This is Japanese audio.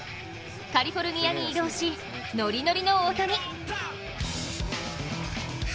カリフォルニアに移動しノリノリの大谷。